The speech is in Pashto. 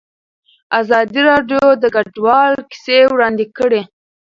ازادي راډیو د کډوال کیسې وړاندې کړي.